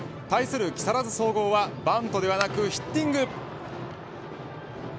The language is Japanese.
対する木更津総合はバントではなくヒッティング。